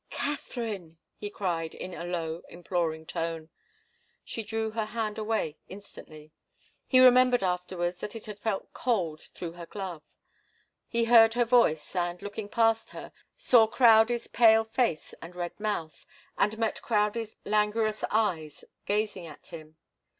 "Katharine " he cried, in a low, imploring tone. She drew her hand away instantly. He remembered afterwards that it had felt cold through her glove. He heard her voice, and, looking past her, saw Crowdie's pale face and red mouth and met Crowdie's languorous eyes, gazing at him.